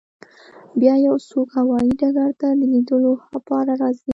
بیا یو څوک هوایی ډګر ته د لیدو لپاره راځي